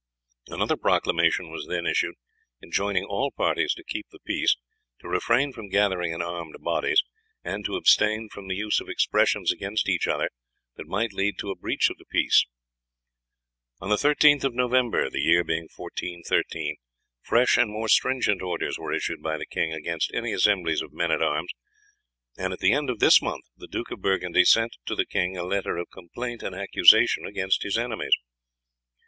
Another proclamation was then issued enjoining all parties to keep the peace, to refrain from gathering in armed bodies, and to abstain from the use of expressions against each other that might lead to a breach of the peace. On the 13th of November, the year being 1413, fresh and more stringent orders were issued by the king against any assemblies of men in arms, and at the end of this month the Duke of Burgundy sent to the king a letter of complaint and accusation against his enemies.